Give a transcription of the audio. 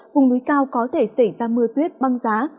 vùng núi cao có thể xảy ra mưa tuyết băng giá